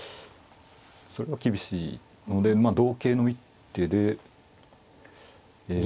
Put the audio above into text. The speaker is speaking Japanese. それは厳しいので同桂の一手でえ。